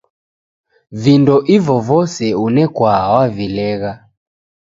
Vindo ivo vose unekwaa wavilegha.